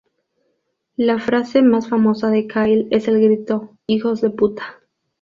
La frase más famosa de Kyle es el grito "¡Hijos de puta!